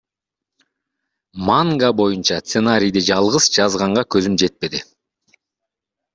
Манга боюнча сценарийди жалгыз жазганга көзүм жетпеди.